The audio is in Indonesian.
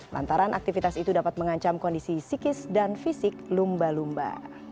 lantaran aktivitas itu dapat mengancam kondisi psikis dan fisik lumba lumba